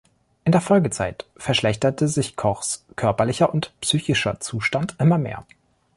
In der Folgezeit verschlechterte sich Kochs körperlicher und psychischer Zustand immer mehr.